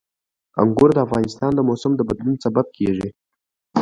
انګور د افغانستان د موسم د بدلون سبب کېږي.